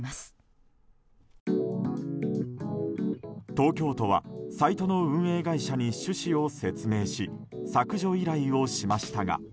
東京都はサイトの運営会社に趣旨を説明し削除依頼をしましたが。